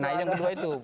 nah ini yang kedua itu